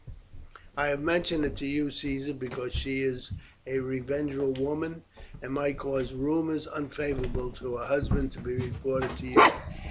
"I have mentioned it to you, Caesar, because she is a revengeful woman, and might cause rumours unfavourable to her husband to be reported to you.